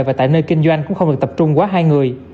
và tại nơi kinh doanh cũng không được tập trung quá hai người